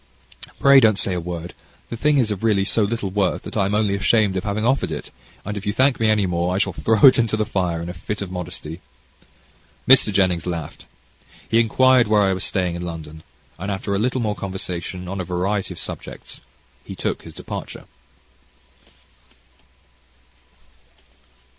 "Pray don't say a word; the thing is really so little worth that I am only ashamed of having offered it, and if you thank me any more I shall throw it into the fire in a fit of modesty." Mr. Jennings laughed. He inquired where I was staying in London, and after a little more conversation on a variety of subjects, he took his departure.